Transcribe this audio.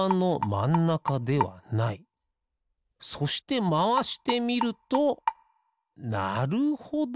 そしてまわしてみるとなるほど。